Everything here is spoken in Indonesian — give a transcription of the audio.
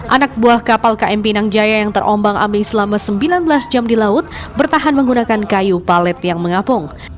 anak buah kapal km pinang jaya yang terombang ambing selama sembilan belas jam di laut bertahan menggunakan kayu palet yang mengapung